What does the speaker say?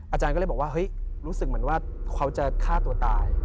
อาจารย์ก็เลยบอกว่าเฮ้ยรู้สึกเหมือนว่าเขาจะฆ่าตัวตาย